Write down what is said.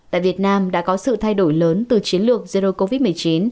tại việt nam đã có sự thay đổi lớn từ chiến lược zero covid một mươi chín